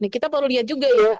kita baru lihat juga ya